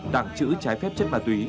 tặng chữ trái phép chất ma túy